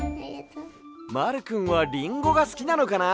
まるくんはリンゴがすきなのかな？